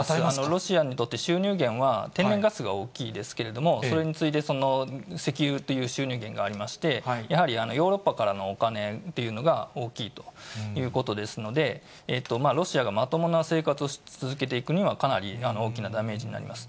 ロシアにとって収入源は天然ガスが大きいですけれども、それに次いで、石油という収入源がありまして、やはりヨーロッパからのお金というのが大きいということですので、ロシアがまともな生活を続けていくにはかなり大きなダメージになります。